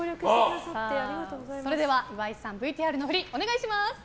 それでは岩井さんＶＴＲの振り、お願いします。